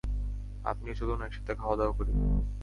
আপনিও চলুন, একসাথে খাওয়া-দাওয়া করি।